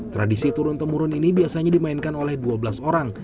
tradisi turun temurun ini biasanya dimainkan oleh dua belas orang